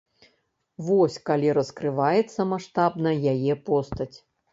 Вось калі раскрываецца маштабна яе постаць.